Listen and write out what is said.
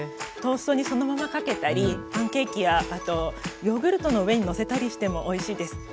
トーストにそのままかけたりパンケーキやあとヨーグルトの上にのせたりしてもおいしいです。